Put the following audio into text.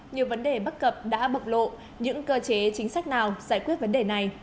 nhiều vấn đề bất cập đã bộc lộ những cơ chế chính sách nào giải quyết vấn đề này